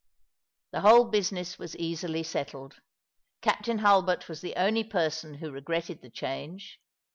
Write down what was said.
The whole business was easily settled. Captain Hulbert was the only person who regretted the change.